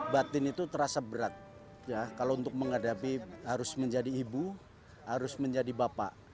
batin itu terasa berat kalau untuk menghadapi harus menjadi ibu harus menjadi bapak